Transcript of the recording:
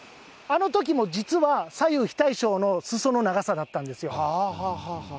あのときも実は、左右非対称のすその長さだったんですよ。